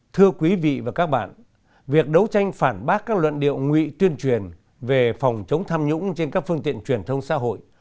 thưa quý vị và các bạn việc đấu tranh phản bác các luận điệu nguy tuyên truyền về phòng chống tham nhũng trên các phương tiện truyền thông xã hội